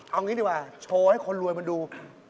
เอางี้ดีกว่าโชว์ให้คนรวยมันดู